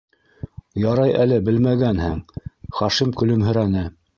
Ярай әле белмәгәнһең, - Хашим көлөмһөрәне.